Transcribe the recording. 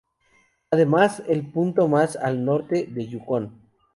Es además el punto más al norte de Yukón.